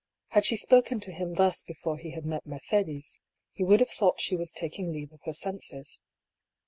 Had she spoken to him thus before he had met Mercedes, he would have thought she was taking leave of her senses.